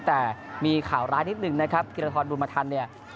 แต่มีข่าวร้ายนิดนึงนะครับธิรทรบุญทันเนี่ย